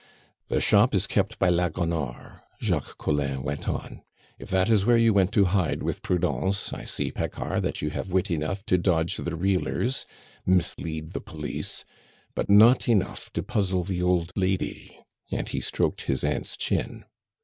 "The shop is kept by la Gonore," Jacques Collin went on. "If that is where you went to hide with Prudence, I see, Paccard, that you have wit enough to dodge the reelers (mislead the police), but not enough to puzzle the old lady," and he stroked his aunt's chin.